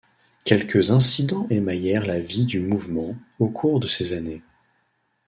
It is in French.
Quelques incidents émaillèrent la vie du mouvement au cours de ces années.